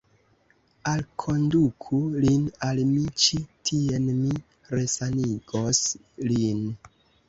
Alkonduku lin al mi ĉi tien; mi resanigos lin.